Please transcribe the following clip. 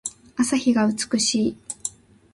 朝日が美しい。